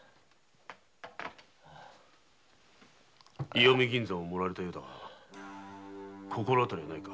石見銀山を盛られたようだが心当たりはないか？